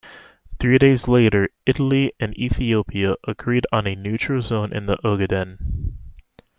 Three days later Italy and Ethiopia agreed on a neutral zone in the Ogaden.